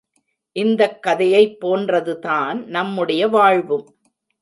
இந்தக் கதையைப் போன்றதுதான் நம்முடைய வாழ்வும்.